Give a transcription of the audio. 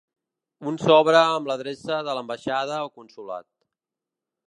Un sobre amb l’adreça de l’ambaixada o consolat.